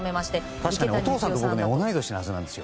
確か知念のお父さんと僕は同い年のはずなんですよ。